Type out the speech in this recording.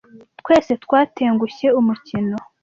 Twese twatengushye umukino.